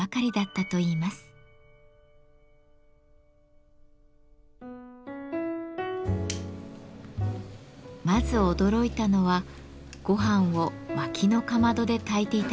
まず驚いたのはごはんを薪のかまどで炊いていたことでした。